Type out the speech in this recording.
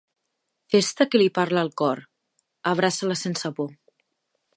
Festa que li parla al cor, abraça-la sense por.